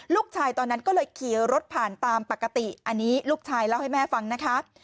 ตอนนั้นก็เลยขี่รถผ่านตามปกติอันนี้ลูกชายเล่าให้แม่ฟังนะคะ